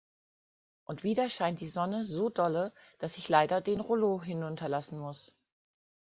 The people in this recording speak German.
Und wieder scheint die Sonne so dolle, dass ich leider den Rollo hinunterlassen muss.